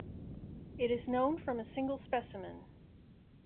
It is known from a single specimen.